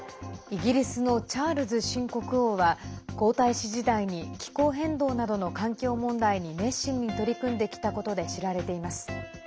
イギリスのチャールズ新国王は皇太子時代に気候変動などの環境問題に熱心に取り組んできたことで知られています。